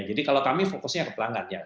jadi kalau kami fokusnya ke pelanggan ya